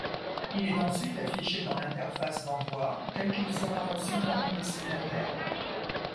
Il est ensuite affiché dans l’interface d’envoi, tel qu’il sera reçu par le destinataire.